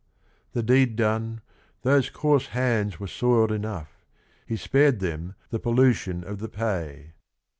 The deed done, those coarse hands were soiled enough, He spared them the pollution of the pay."